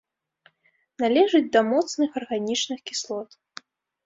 Належыць да моцных арганічных кіслот.